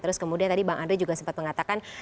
terus kemudian tadi bang andre juga sempat mengatakan